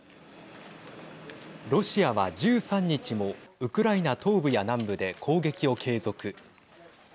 ロシアは１３日もウクライナ東部や南部で攻撃を継続。